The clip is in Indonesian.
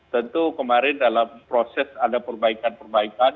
tentu kemarin dalam proses ada perbaikan perbaikan